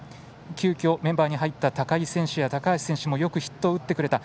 急きょメンバーに入った高井選手や高橋選手もよくヒットを打ってくれた。